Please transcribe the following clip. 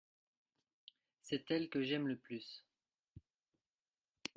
C’est elle que j’aime le plus.